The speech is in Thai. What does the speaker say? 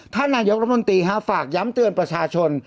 ท่านนายกรัฐมนตรีฝากย้ำเตือนประชาชน